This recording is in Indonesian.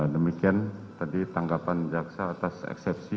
demikian tadi tanggapan jaksa atas eksepsi